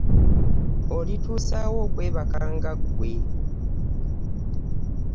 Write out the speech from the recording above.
Olituusa wa okwebakanga ggwe.